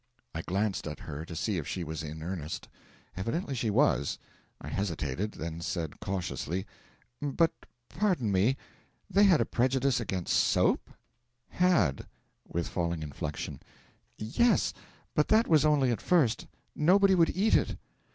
I glanced at her to see if she was in earnest. Evidently she was. I hesitated, then said, cautiously: 'But pardon me. They had a prejudice against soap? Had?' with falling inflection. 'Yes but that was only at first; nobody would eat it.'